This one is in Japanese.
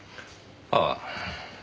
ああ。